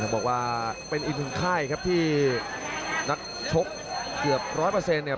บอกว่าเป็นอีกหนึ่งค่ายครับที่นักชกเกือบร้อยเปอร์เซ็นต์เนี่ย